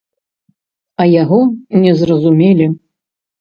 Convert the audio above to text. А яго не зразумелі.